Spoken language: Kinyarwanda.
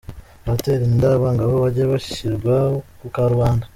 Abatera inda abangavu bajye bashyirwa ku karubanda.